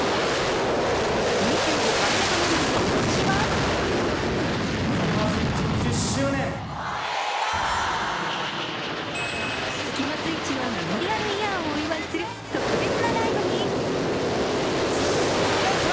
２５回目となる今年はスキマスイッチのメモリアルイヤーをお祝いする特別なライブに。